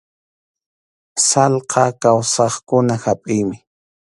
Sallqa kawsaqkuna hapʼiymi.